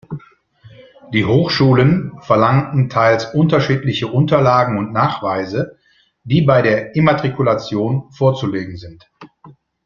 Die Hochschulen verlangen teils unterschiedliche Unterlagen und Nachweise, die bei der Immatrikulation vorzulegen sind.